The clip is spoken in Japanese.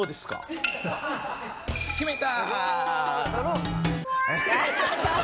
「決めた！」。